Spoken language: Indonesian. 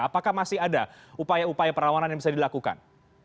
apakah masih ada upaya upaya perlawanan yang bisa dilakukan